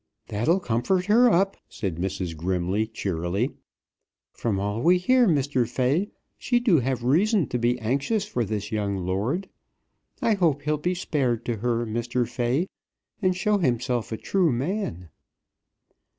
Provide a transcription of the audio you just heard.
"That'll comfort her up," said Mrs. Grimley cheerily. "From all we hear, Mr. Fay, she do have reason to be anxious for this young lord. I hope he'll be spared to her, Mr. Fay, and show himself a true man."